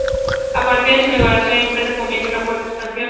A partir de su inauguración, la empresa empieza una fuerte expansión.